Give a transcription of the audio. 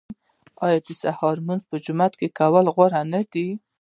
آیا د سهار لمونځ په جومات کې کول غوره نه دي؟